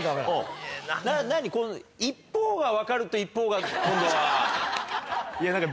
一方が分かると一方が今度は。